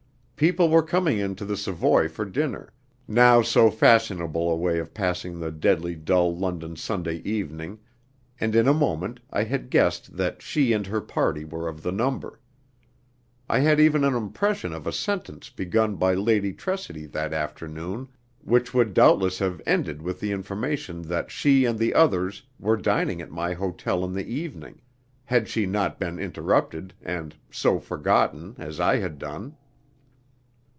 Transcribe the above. People were coming into the Savoy for dinner, now so fashionable a way of passing the deadly dull London Sunday evening, and in a moment I had guessed that she and her party were of the number. I had even an impression of a sentence begun by Lady Tressidy that afternoon, which would doubtless have ended with the information that she and the others were dining at my hotel in the evening, had she not been interrupted, and so forgotten, as I had done.